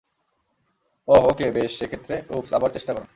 ওহ, okay, বেশ, সেক্ষেত্রে, - উপস-আবার চেষ্টা কর।